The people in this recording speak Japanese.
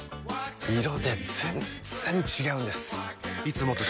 色で全然違うんです！